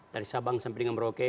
dari sabang sampai dengan merauke